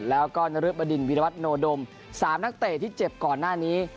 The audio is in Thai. แล้วก็นรึบดินวิรวัตโนดม๓นักเตะที่เจ็บก่อนหน้านี้